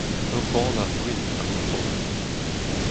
Ur bannac'h gwin a vo profet.